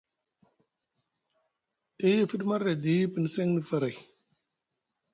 Day e fiɗi marɗi edi pin seŋni faray.